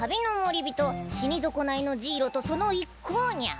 人死に損ないのジイロとその一行ニャ。